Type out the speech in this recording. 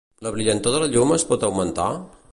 La brillantor de la llum es pot augmentar?